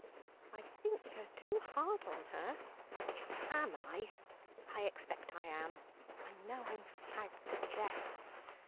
"I think you're too hard on her." "Am I? I expect I am. I know I'm fagged to death.